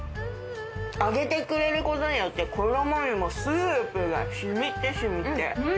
揚げてくれることによって衣にもスープが染みて染みて。